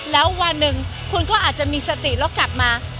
แล้ววันหนึ่งคุณก็อาจจะมีสติแล้วกลับมา